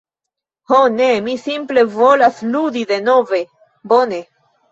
Ho ne, mi simple volas ludi denove. Bone.